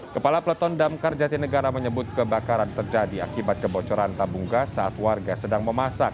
kepala peleton damkar jatinegara menyebut kebakaran terjadi akibat kebocoran tabung gas saat warga sedang memasak